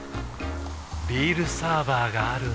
ビールサーバーがある夏。